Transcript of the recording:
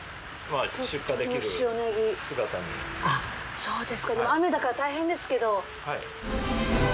そうですか雨だから大変ですけど。